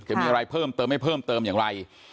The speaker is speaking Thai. จะมีอะไรเพิ่มเติมไม่เพิ่มเติมอย่างไร